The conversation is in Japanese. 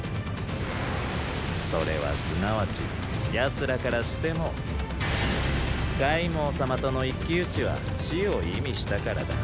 それはすなわち奴らからしても凱孟様との一騎討ちは“死”を意味したからだ。